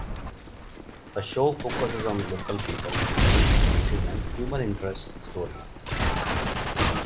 The show focuses on local people, events, places, and human-interest stories.